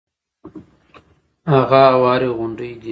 هغه اوارې غونډې دي.